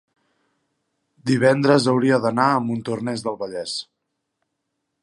divendres hauria d'anar a Montornès del Vallès.